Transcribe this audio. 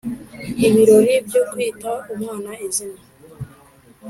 Ibirori byokwita umwana izina